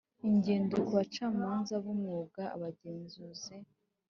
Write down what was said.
ingendo ku Bacamanza b Umwuga Abagenzuzi